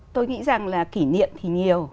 tôi nghĩ rằng là kỉ niệm thì nhiều